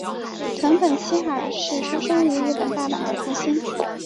藤本七海是出身于日本大阪的童星。